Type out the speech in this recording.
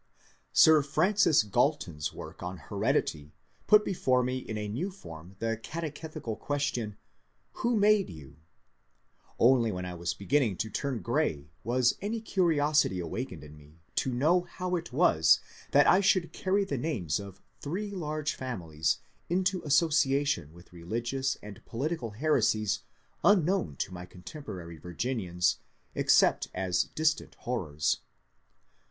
Sir Francis Galton's works on Heredity put before me in a new form the catechetical qaestion, ^^ Who made yon "? Only when I was beginning to torn grey was any curiosity awakened in me to know how it was that I should carry the names of three large families into association with religions and politi cal heresies unknown to my contemporary Virginians except as distant horrors.